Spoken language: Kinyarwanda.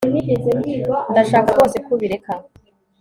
Ndashaka rwose ko ubireka